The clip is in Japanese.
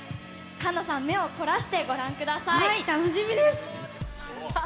菅野さん、目を凝らしてご覧くだ楽しみです。